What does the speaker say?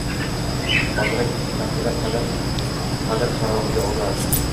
Xotira kaftida, qadr qarog‘ida ular